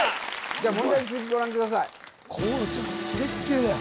じゃ問題の続きご覧ください